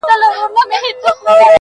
په دې پردي وطن كي.